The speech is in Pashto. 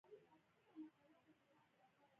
د ولسي ادبياتو راټولو که هغه په هره برخه کې وي.